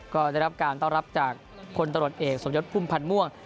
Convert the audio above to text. ก็ได้รับการเต้ารับจากคนตลอดเอกสมยุทธภูมิผ่านม่วง